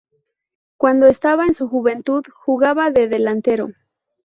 Cuando estaba en su juventud, jugaba de delantero.